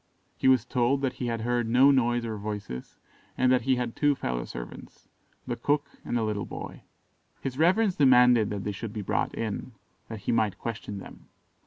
He was told that he had heard no noise or voices, and that he had two fellow servants the cook and a little boy. His reverence demanded that they should be brought in, that he might question them.